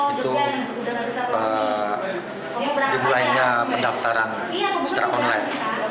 itu dimulainya pendaftaran secara online